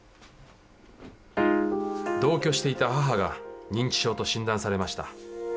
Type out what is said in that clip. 同居していた母が認知症と診断されました。